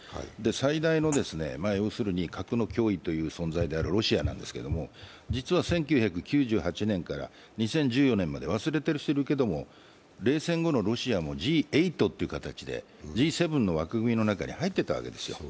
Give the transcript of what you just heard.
最大の核の脅威という存在であるロシアですけど、実は１９９８年から２０１４年まで、忘れている人もいるけど冷戦後のロシアもＧ８という形でＧ７の枠組みの中に入っていたわけですよ。